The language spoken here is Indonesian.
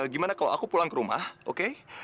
gimana kalau aku pulang ke rumah oke